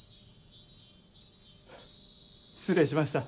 失礼しました。